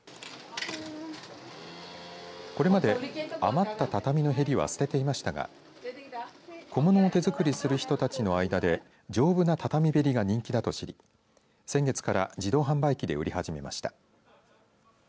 これまで余った畳のへりは捨てていましたが小物を手作りする人たちの間で丈夫な畳べりが人気だと知り先月から自動販売機で売り始めました。